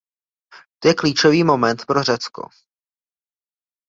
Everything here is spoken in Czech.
To je klíčový moment pro Řecko.